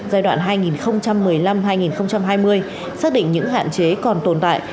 giai đoạn hai nghìn một mươi năm hai nghìn hai mươi xác định những hạn chế còn tồn tại